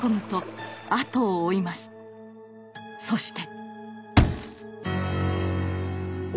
そして。